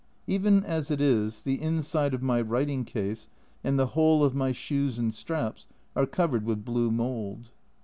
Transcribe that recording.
Even as it is, the inside of my writing case and the whole of my shoes and straps are covered with blue mould.